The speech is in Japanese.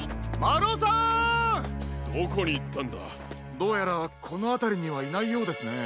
どうやらこのあたりにはいないようですね。